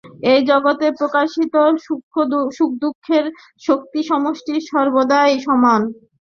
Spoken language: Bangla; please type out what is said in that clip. এই জগতে প্রকাশিত সুখদুঃখের শক্তিসমষ্টি সর্বদাই সমান।